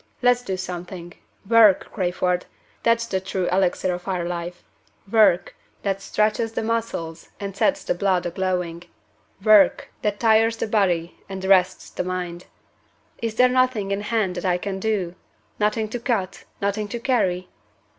Let's do something. Work, Crayford that's the true elixir of our life! Work, that stretches the muscles and sets the blood a glowing. Work, that tires the body and rests the mind. Is there nothing in hand that I can do? Nothing to cut? nothing to carry?"